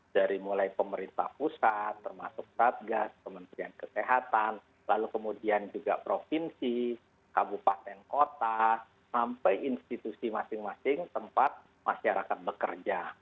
dari mulai pemerintah pusat termasuk satgas kementerian kesehatan lalu kemudian juga provinsi kabupaten kota sampai institusi masing masing tempat masyarakat bekerja